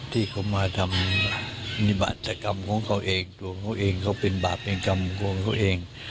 ที่เขามาทำนิบาจกรรมของเขาเองตัวเขาเองเขาเป็นบาปเป็นกรรมของเขาเอง